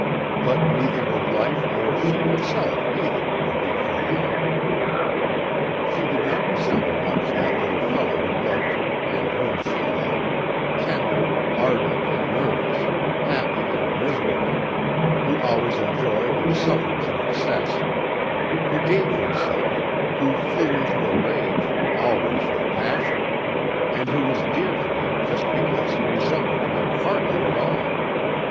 But neither her life nor she herself, either, would be for long.... She did not resemble much that little fellow who loved her and whom she loved, tender, ardent and nervous, happy and miserable, who always enjoyed and suffered to excess, who gave himself, who flew into a rage, always with passion, and who was dear to her just because he resembled her hardly at all.